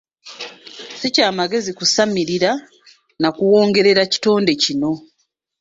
Si kya magezi kusamirira na kuwongerera kitonde kinno.